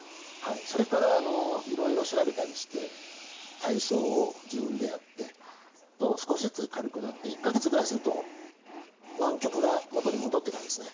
それからいろいろ調べたりして体操を自分でやって少しずつ軽くなって１か月ぐらいすると湾曲が元に戻ってたんですね。